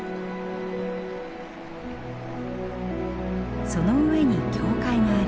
その上に教会があります。